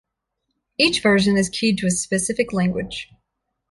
Each version is keyed to a specific language.